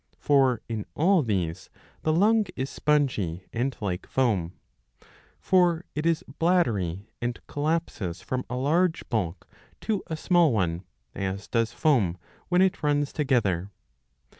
'" For in all these the lung is spongy, and like foam. For it is bladdery and collapses from a large bulk to a small one, as does foam when it runs together.